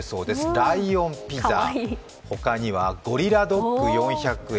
ライオンピザ、ほかにはゴリラドッグ４００円。